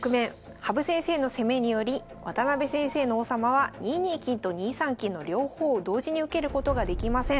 羽生先生の攻めにより渡辺先生の王様は２二金と２三金の両方を同時に受けることができません。